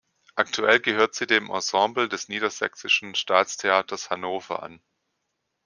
Aktuell gehört sie dem Ensemble des Niedersächsischen Staatstheaters Hannover an.